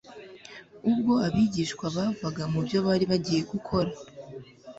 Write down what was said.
Ubwo abigishwa bavaga mu byo bari bagiye gukora,